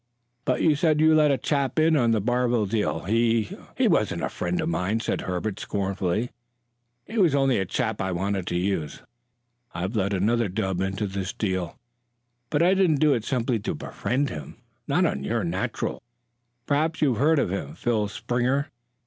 "But you said you let a chap in on the Barville deal. He " "He wasn't a friend of mine," said Herbert scornfully; "he was only a chap I wanted to use. I've let another dub into this deal, but I didn't do so simply to befriend him not on your natural. Perhaps you've heard of him Phil Springer.